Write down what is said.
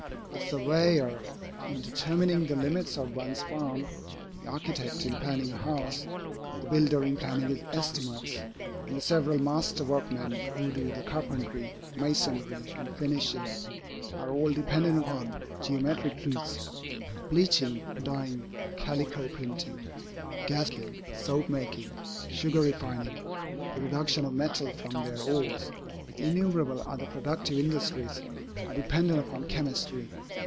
The surveyor in determining the limits of one's farm, the architect in planning a house, the builder in planning his estimates, and the several master workmen who do the carpentry, masonry, and finishing, are all dependent upon geometric truths. Bleaching, dyeing, calico printing, gas making, soap making, sugar refining, the reduction of metals from their ores, with innumerable other productive industries, are dependent upon chemistry.